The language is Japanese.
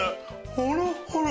ほろっほろ！